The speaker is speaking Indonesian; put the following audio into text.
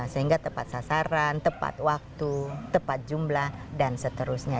sehingga tepat sasaran tepat waktu tepat jumlah dan seterusnya